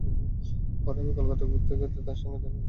পরে আমি কলকাতা ঘুরতে গেলে তার সঙ্গে দেখা হয়, আলাপ হয়।